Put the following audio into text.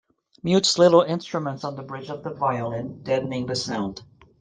Mutes little instruments on the bridge of the violin, deadening the sound.